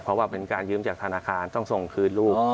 เพราะว่าเป็นการยืมจากธนาคารต้องส่งคืนลูก